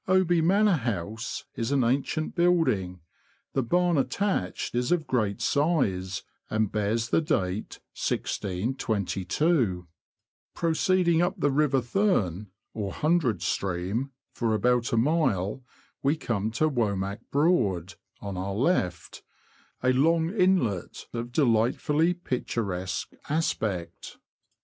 Oby Manor House is an ancient building; the barn attached is of great size, and bears the date 1622. Proceeding up the river Thurne, or Hundred O 194 THE LAND OF THE BROADS. Stream, for about a mile, we come to Womack Broad, on our left — a long inlet, of delightfully picturesque aspect.